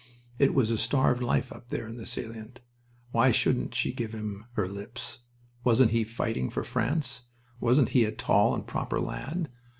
It was a starved life up there in the salient... Why shouldn't she give him her lips? Wasn't he fighting for France? Wasn't he a tall and proper lad?